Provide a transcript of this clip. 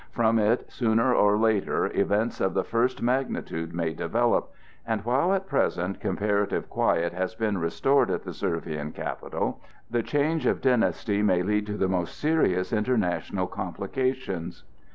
From it sooner or later events of the first magnitude may develop, and while at present comparative quiet has been restored at the Servian capital, the change of dynasty may lead to the most serious international complications.